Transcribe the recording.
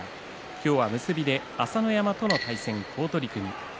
今日は結びで朝乃山との対戦好取組。